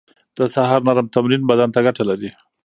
د سهار نرم تمرين بدن ته ګټه لري.